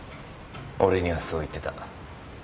俺にはそう言ってた。